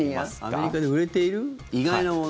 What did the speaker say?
アメリカで売れている意外なもの。